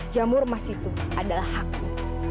jamur mas itu adalah hakmu